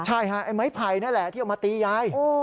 ใช่ฮะไอ้ไม้ไผ่นั่นแหละที่เอามาตียาย